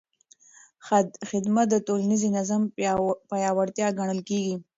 خدمت د ټولنیز نظم پیاوړتیا ګڼل کېږي.